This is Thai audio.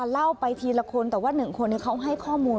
เล่าไปทีละคนแต่ว่าหนึ่งคนเขาให้ข้อมูล